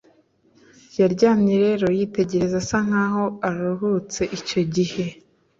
yaryamye rero yitegereza, asa nkaho aruhutse icyo gihe,